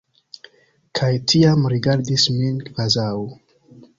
Kaj tiam rigardis min kvazaŭ...